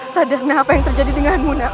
sadarnya apa yang terjadi dengan muna